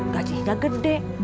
gaji hingga gede